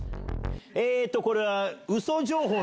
えっとこれは。